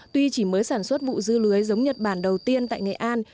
tuy chỉ mới sản xuất vụ dư lưới giống nhật bản đầu tiên tại nghệ an